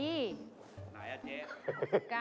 ไหนอ่ะเจ๊